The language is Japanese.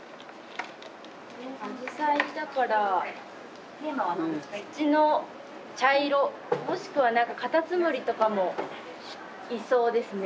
紫陽花だから土の茶色もしくは何かカタツムリとかもいそうですね。